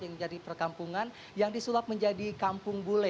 yang menjadi perkampungan yang disulap menjadi kampung bule